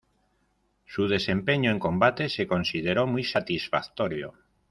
Su desempeño en combate se consideró muy satisfactorio.